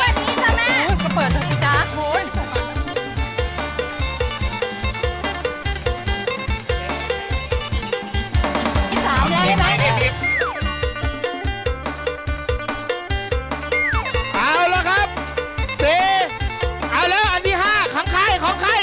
นี่สิแม่โอ๊ยเปิดแล้วสิจ๊ะโอ้โฮย